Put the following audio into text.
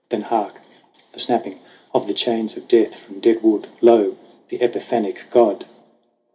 Then, hark ! the snapping of the chains of Death ! From dead wood, lo ! the epiphanic god